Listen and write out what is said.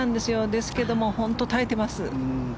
ですけど、本当に耐えています。